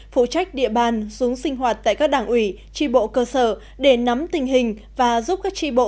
phụ trách địa bàn xuống sinh hoạt tại các đảng ủy tri bộ cơ sở để nắm tình hình và giúp các tri bộ